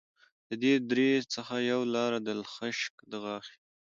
د دې درې څخه یوه لاره دلخشک دغاښي